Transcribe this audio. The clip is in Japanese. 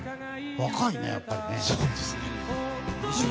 若いね、やっぱり。